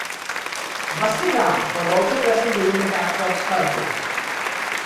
Basti Ram was also present during the capture of Skardu.